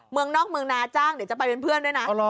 เมืองนอกเมืองนาจ้างเดี๋ยวจะไปเป็นเพื่อนด้วยนะ